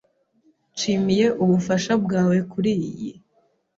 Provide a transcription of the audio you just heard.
Nishimiye ubufasha bwawe kuriyi.